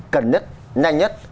cần nhất nhanh nhất